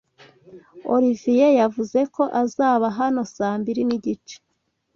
Olivier yavuze ko azaba hano saa mbiri nigice.